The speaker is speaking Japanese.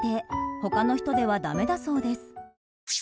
他の人ではだめだそうです。